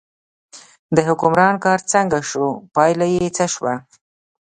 د حکمران کار څنګه شو، پایله یې څه شوه.